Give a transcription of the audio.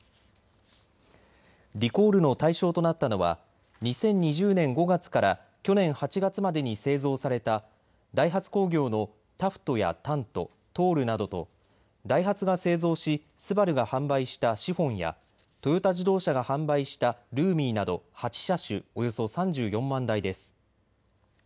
リコールの対象となったのは２０２０年５月から去年８月までに製造されたダイハツ工業のタフトやタント、トールなどとダイハツが製造しＳＵＢＡＲＵが販売したシフォンやトヨタ自動車が販売したルーミーなど８車種およそ３４万台です。